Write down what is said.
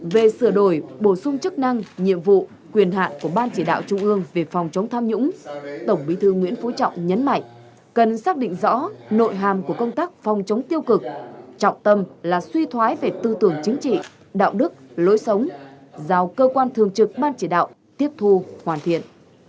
về sửa đổi bổ sung chức năng nhiệm vụ quyền hạn của ban chỉ đạo trung ương về phòng chống tham nhũng tổng bí thư nguyễn phú trọng nhấn mạnh cần xác định rõ nội hàm của công tác phòng chống tiêu cực trọng tâm là suy thoái về tư tưởng chính trị đạo đức lối sống giao cơ quan thường trực ban chỉ đạo tiếp thu hoàn thiện